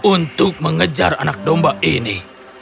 untuk mengejar anak domba ini